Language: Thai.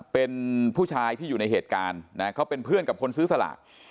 เป็นผู้ชายที่อยู่ในเหตุการณ์นะเขาเป็นเพื่อนกับคนซื้อสลาก